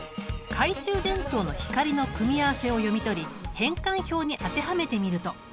懐中電灯の光の組み合わせを読み取り変換表に当てはめてみると？